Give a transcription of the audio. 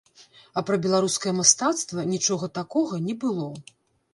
А пра беларускае мастацтва нічога такога не было.